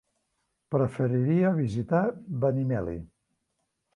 Preferiria visitar Benimeli.